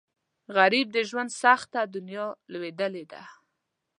غریب د ژوند سخته دنیا لیدلې ده